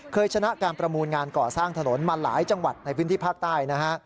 ชนะการประมูลงานก่อสร้างถนนมาหลายจังหวัดในพื้นที่ภาคใต้นะฮะ